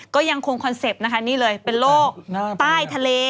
ก็ยังคงคอนเซ็ปต์นะคะนี่เลยเป็นโรคใต้ทะเล